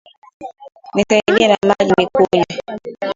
Nisaidie na maji nikunywe